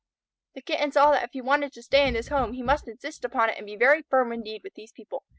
The Kitten saw that if he wanted to stay in this home he must insist upon it and be very firm indeed with these people.